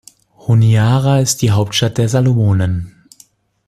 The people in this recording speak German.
Honiara ist die Hauptstadt der Salomonen.